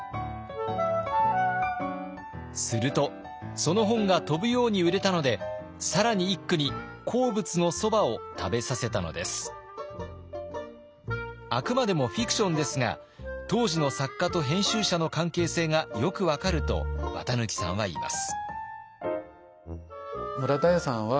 するとその本が飛ぶように売れたので更に一九にあくまでもフィクションですが当時の作家と編集者の関係性がよく分かると綿抜さんは言います。